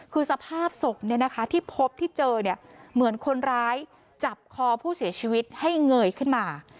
คือสภาพศพที่พบที่เจอเนี่ยเหมือนคนร้ายจับคอผู้เสียชีวิตให้เงยขึ้นมา